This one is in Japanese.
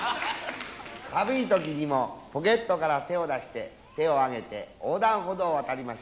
寒い時にもポケットから手を出して手を上げて横断歩道を渡りましょう。